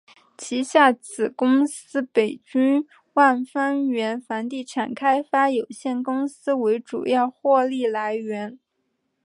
旗下子公司北京万方源房地产开发有限公司为主要获利来源。